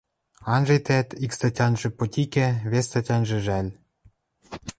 Анжетӓт, ик статянжы – потикӓ, вес статянжы – жӓл.